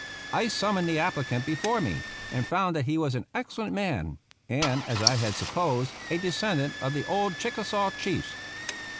I summoned the applicant before me, and found that he was an excellent man, and, as I had supposed, a descendant of the old Chickasaw chiefs.